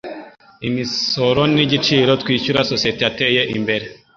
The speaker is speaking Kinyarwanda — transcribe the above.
Imisoro nigiciro twishyura societe yateye imbere.